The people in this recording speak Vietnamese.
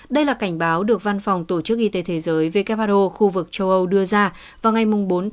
đây là cảnh báo được văn phòng tổ chức y tế thế giới who khu vực châu âu đưa ra vào ngày bốn tháng năm